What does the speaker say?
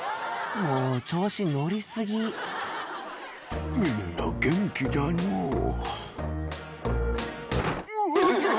もう調子に乗り過ぎ「みんな元気だのう」「うおっと！